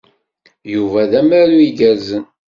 Yuba d amaru igerrzen.